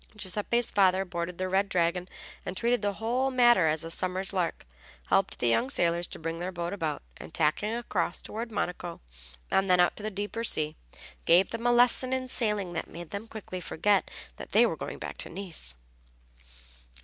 Giuseppe's father boarded the Red Dragon, and, treating the whole matter as a summer's lark, helped the young sailors to bring their boat about, and tacking across toward Monaco and then out to the deeper sea, gave them a lesson in sailing that made them quickly forget that they were going back to Nice.